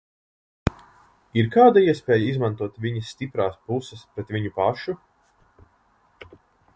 Ir kāda iespēja izmantot viņas stiprās puses pret viņu pašu?